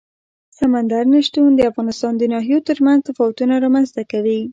سمندر نه شتون د افغانستان د ناحیو ترمنځ تفاوتونه رامنځ ته کوي.